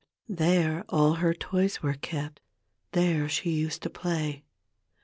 There all her toys were kept, there she used to play.